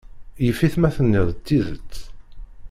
Yif-it ma tenniḍ-d tidet.